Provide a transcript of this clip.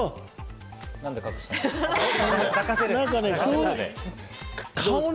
何で隠したの？